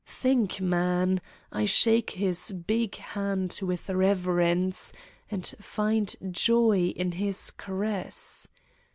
Think, man : I shake his big hand with reverence and find joy in his caress!